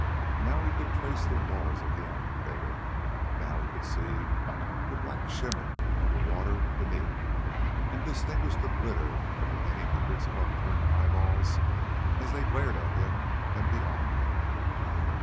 Now he could trace the walls of the amphitheatre, now he could see the black shimmer of the water beneath, and distinguish the glitter of many hundreds of upturned eyeballs as they glared at him and beyond him.